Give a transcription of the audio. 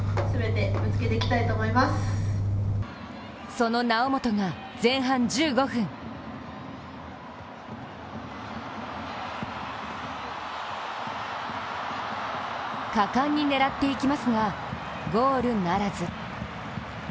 その猶本が、前半１５分果敢に狙っていきますが、ゴールならず。